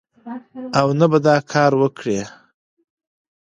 او نه به دا کار وکړي